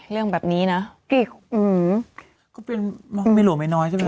เรื่องแบบนี้นะพี่ก็เป็นเมียหลวงไม่น้อยใช่ไหม